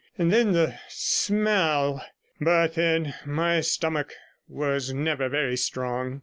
And then the smell; but then my stomach was never very strong.'